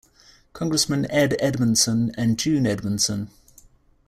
Congressman Ed Edmondson and June Edmondson.